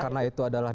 karena itu adalah